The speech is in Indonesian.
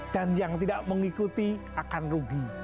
dan yang tidak mengikuti akan rugi